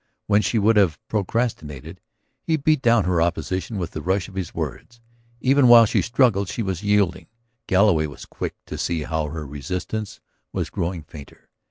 When she would have procrastinated, he beat down her opposition with the rush of his words. Even while she struggled she was yielding; Galloway was quick to see how her resistance was growing fainter.